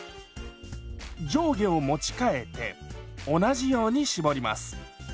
上下を持ち替えて同じように絞ります。